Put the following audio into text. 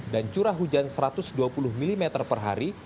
dan curah hujan satu ratus dua puluh mm per hari